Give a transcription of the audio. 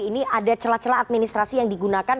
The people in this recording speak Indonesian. ini ada celah celah administrasi yang digunakan